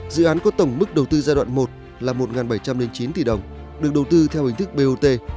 dự án có tổng mức đầu tư giai đoạn một là một bảy trăm linh chín tỷ đồng được đầu tư theo hình thức bot